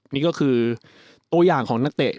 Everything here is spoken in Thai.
นี่ก็คือตัวอย่างของนักเตะ